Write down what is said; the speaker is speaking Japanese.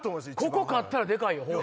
ここ勝ったらデカいよ！